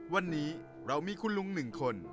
วันนี้เรามีคุณลุงหนึ่งคน